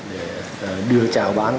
để đưa trào bán